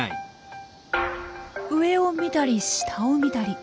上を見たり下を見たり。